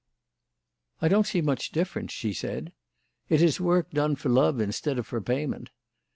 "I don't see much difference," she said. "It is work done for love instead of for payment.